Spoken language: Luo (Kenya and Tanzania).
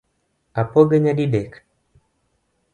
Apoge nyadidek